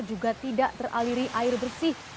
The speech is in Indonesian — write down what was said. juga tidak teraliri air bersih